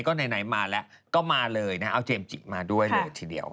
ก็ไหนมาแล้วก็มาเลยนะเอาเจมส์จิมาด้วยเลยทีเดียว